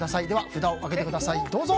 札を上げてください。